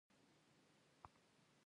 زه د پوځ له خوا جګړې ته وغوښتل شوم